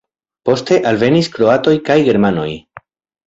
Poste alvenis kroatoj kaj germanoj.